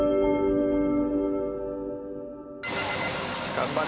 頑張れ。